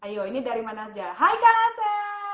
ayo ini dari mana saja hai kang ase